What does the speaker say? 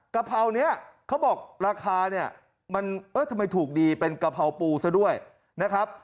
กะเพรานี้เขาบอกราคาเนี่ยมันเออทำไมถูกดีเป็นกะเพราปูซะด้วยนะครับ